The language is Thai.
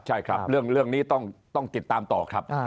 ใช่ครับเรื่องนี้ต้องติดตามต่อครับ